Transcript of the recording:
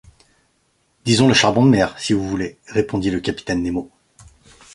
Disons le charbon de mer, si vous voulez, répondit le capitaine Nemo.